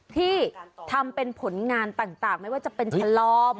ที่ทำเป็นผลงานต่างไม่ว่าจะเป็นฉลอม